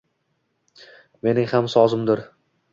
Mening ham sozimdir